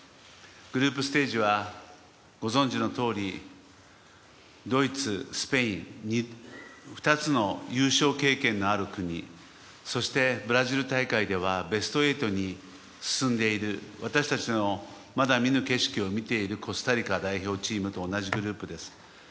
グループステージはご存じのとおりドイツ、スペイン２つの優勝経験のある国そして、ブラジル大会ではベスト８に進んでいる私たちのまだ見ぬ景色を見ているコスタリカ代表チームと同じグループです。